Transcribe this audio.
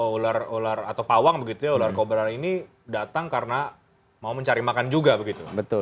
ular ular atau pawang begitu ya ular kobra ini datang karena mau mencari makan juga begitu